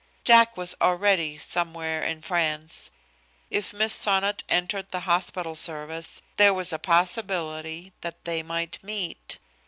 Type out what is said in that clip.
Jack was already "somewhere in France." If Miss Sonnot entered the hospital service, there was a possibility that they might meet.